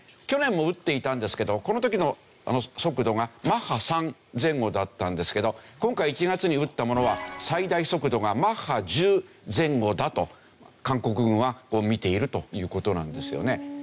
去年も撃っていたんですけどこの時の速度がマッハ３前後だったんですけど今回１月に撃ったものは最大速度がマッハ１０前後だと韓国軍は見ているという事なんですよね。